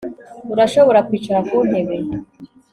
Urashobora kwicara ku ntebe